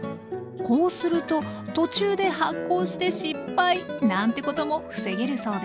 こうすると途中で発酵して失敗なんてことも防げるそうです